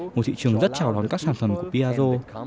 một thị trường rất chào đón các sản phẩm của piaggio